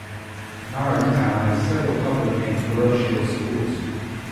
Narok Town has several public and parochial schools.